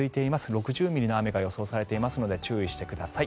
６０ミリの雨が予想されていますので注意してください。